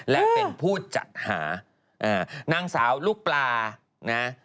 และเป็นผู้จัดหานางสาวลูกปลานะ